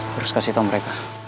terus kasih tau mereka